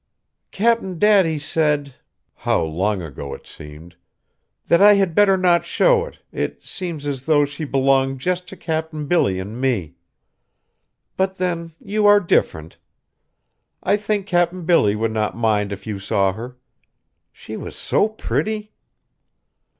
"Cap'n Daddy said" how long ago it seemed "that I had better not show it, it seems as though she belonged just to Cap'n Billy and me. But then you are different. I think Cap'n Billy would not mind if you saw her. She was so pretty!"